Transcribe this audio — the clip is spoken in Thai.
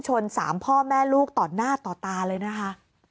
ชน๓พ่อแม่ลูกต่อหน้าต่อตาเลยนะคะ